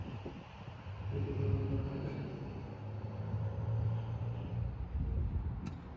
শিশুটিকে পাওয়ার জন্য ঢাকার শিশু আদালতে যোগাযোগ করলে নিশ্চয় সার্বিক সহযোগিতা করব।